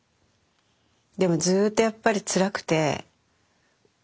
でもずっとやっぱりつらくて。